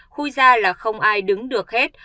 khui ra là không ai đứng được hết